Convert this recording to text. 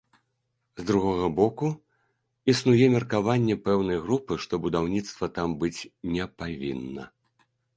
З другога боку, існуе меркаванне пэўнай групы, што будаўніцтва там быць не павінна.